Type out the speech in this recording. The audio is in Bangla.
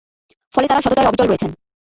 ফলে তারা সততায় অবিচল রয়েছেন।